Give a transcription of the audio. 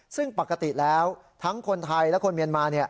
ซึ่งปกติแล้วทั้งคนไทยและคนเมียนมา